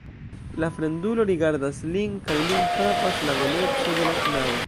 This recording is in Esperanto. La fremdulo rigardas lin kaj lin frapas la beleco de la knabo.